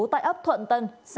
mày dám đi